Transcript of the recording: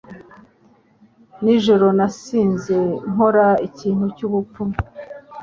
Nijoro nasinze nkora ikintu cyubupfu.